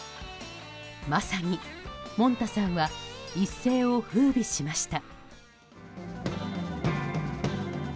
まさに、もんたさんは一世を風靡しました。